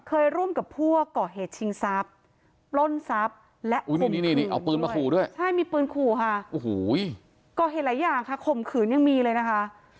เคยร่วมกับท่ั่วเกราะเหตุชิงทรัพย์ปล้นทรัพย์และก็เหตุไหล่อย่างค่ะข่มขึนยังมีเลยนะคะ